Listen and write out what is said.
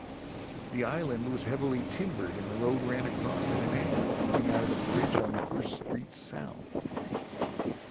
The island was heavily timbered and the road ran across at an angle, coming out at a bridge on First Street South.